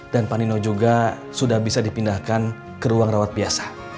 dan panino juga sudah bisa dipindahkan ke ruang rawat biasa